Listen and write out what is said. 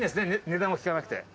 値段は聞かなくて。